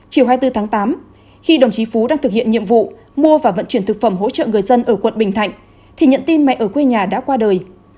chiều hai mươi bốn tháng tám khi đồng chí phú đang thực hiện nhiệm vụ mua và vận chuyển thực phẩm hỗ trợ người dân ở quận bình thạnh thì nhận tin mẹ ở quê nhà đã qua đời